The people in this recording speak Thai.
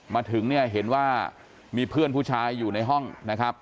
มาถึงเนี่ยเห็นว่ามีเพื่อนผู้ชายอยู่ในห้องนะครับ